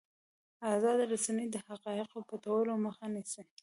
ازادې رسنۍ د حقایقو پټولو مخه نیسي.